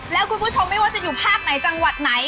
แล้วคุณผู้ชมไม่ว่าจะอยู่ภาคไหนจังหวัดไหน